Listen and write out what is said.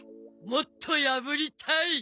もっと破りたい！